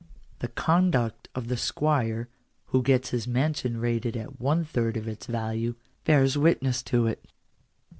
The conduct of the squire, who gets his mansion rated at one third of its value, bears witness to it.